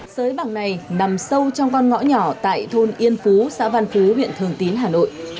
xới bảng này nằm sâu trong con ngõ nhỏ tại thôn yên phú xã văn phú biện thường tín hà nội